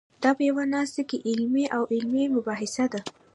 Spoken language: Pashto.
دا په یوه ناسته کې عملي او علمي مباحثه ده.